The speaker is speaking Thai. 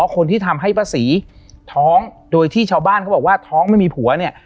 คนที่ทำให้ป้าศรีท้องโดยที่ชาวบ้านเขาบอกว่าท้องไม่มีผัวเนี่ย